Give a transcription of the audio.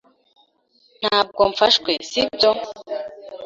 Ntabwo mfashwe, sibyo?